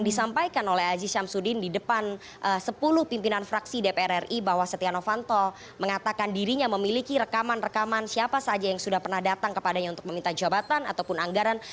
disampaikan oleh aziz syamsuddin di depan sepuluh pimpinan fraksi dpr ri bahwa setia novanto mengatakan dirinya memiliki rekaman rekaman siapa saja yang sudah pernah datang kepadanya untuk meminta jabatan ataupun anggaran